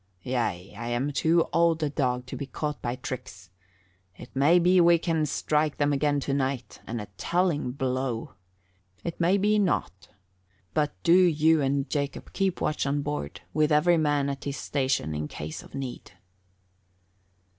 Yea, I am too old a dog to be caught by tricks. It may be we can strike them again tonight, and a telling blow. It may be not. But do you and Jacob keep watch on board, with every man at his station in case of need."